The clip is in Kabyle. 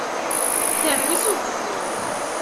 Terwi s ugeffur.